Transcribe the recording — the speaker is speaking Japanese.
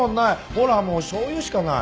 ほらもうしょうゆしかない。